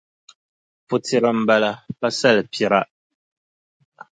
Putira m-bala pa salipira.